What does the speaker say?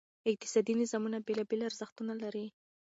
اقتصادي نظامونه بېلابېل ارزښتونه لري.